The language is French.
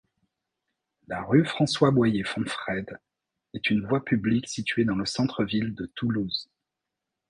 La rue François-Boyer-Fonfrède est une voie publique située dans le centre-ville de Toulouse.